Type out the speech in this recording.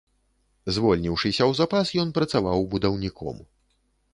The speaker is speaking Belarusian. Звольніўшыся ў запас, ён працаваў будаўніком.